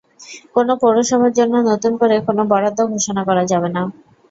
কোনো পৌরসভার জন্য নতুন করে কোনো বরাদ্দ ঘোষণা করা যাবে না।